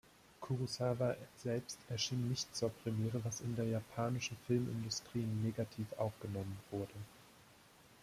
Kurosawa selbst erschien nicht zur Premiere, was in der japanischen Filmindustrie negativ aufgenommen wurde.